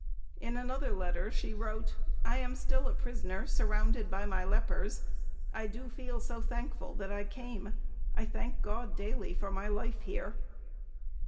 In another letter, she wrote, "I am still a prisoner, surrounded by my lepers. I do feel so thankful that I came.... I thank God daily for my life here."